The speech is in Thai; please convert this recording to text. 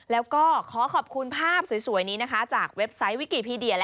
แล้วก็ขอขอบคุณภาพสวยนี้